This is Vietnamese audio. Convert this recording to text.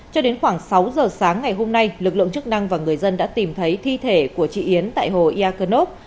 cho đến khoảng sáu giờ sáng ngày hôm nay lực lượng chức năng và người dân đã tìm thấy thi thể của chị yến tại hồ ia cơ nốt